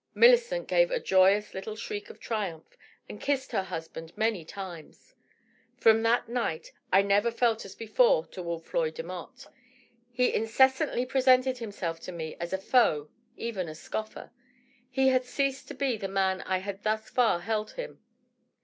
Millicent gave a joyous little shriek of triumph, and kissed her husband many times. .. From that night I never felt as before toward Floyd Demotte. He incessantly presented himself to me as a foe, even a scoffer. He had ceased to be the man I had thus far held him.